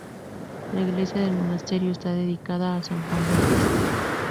La iglesia del monasterio está dedicada a San Juan Bautista.